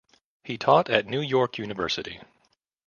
He taught at New York University.